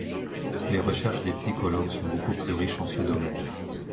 Les recherches des psychologues sont beaucoup plus riches en ce domaine.